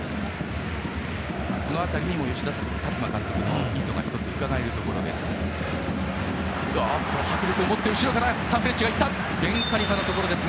この辺りにも吉田達磨監督の意図が１つうかがえるところです。